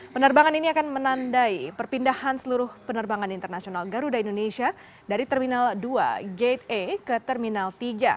penerbangan ini akan menandai perpindahan seluruh penerbangan internasional garuda indonesia dari terminal dua gate a ke terminal tiga